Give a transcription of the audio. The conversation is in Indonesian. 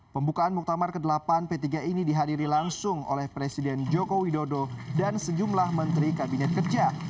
pembukaan muktamar ke delapan p tiga ini dihadiri langsung oleh presiden joko widodo dan sejumlah menteri kabinet kerja